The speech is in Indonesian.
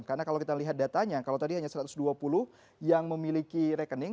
karena kalau kita lihat datanya kalau tadi hanya satu ratus dua puluh yang memiliki rekening